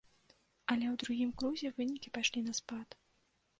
Але ў другім крузе вынікі пайшлі на спад.